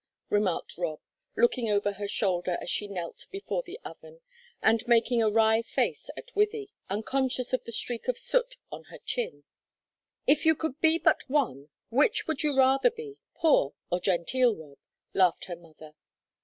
remarked Rob, looking over her shoulder as she knelt before the oven, and making a wry face at Wythie, unconscious of the streak of soot on her chin. "If you could be but one, which would you rather be, poor or genteel, Rob?" laughed her mother.